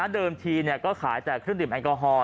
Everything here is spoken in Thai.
ทีก็ขายแต่เครื่องดื่มแอลกอฮอล